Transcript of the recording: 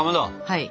はい。